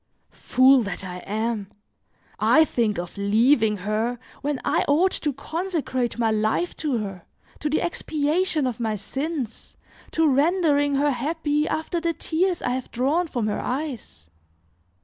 Fool that I am! I think of leaving her when I ought to consecrate my life to her, to the expiation of my sins, to rendering her happy after the tears I have drawn from her eyes!